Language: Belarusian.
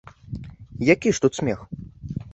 Які ж тут смех?